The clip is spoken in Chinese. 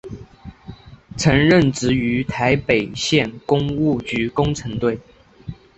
曾任职于台北县工务局工程队。